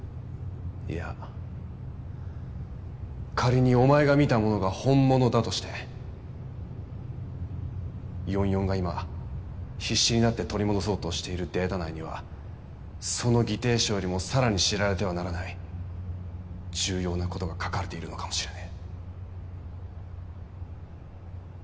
いや仮にお前が見たものが本物だとして４４が今必死になって取り戻そうとしているデータ内にはその議定書よりもさらに知られてはならない重要な事が書かれているのかもしれねえ。